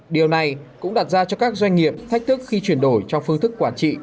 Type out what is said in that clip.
điều này cũng đặt ra cho các doanh nghiệp thách thức khi chuyển đổi trong phương thức quản trị